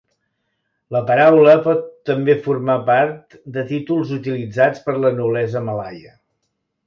La paraula pot també formar part de títols utilitzats per la noblesa malaia.